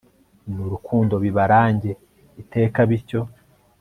n'urukundo bibarange iteka, bityo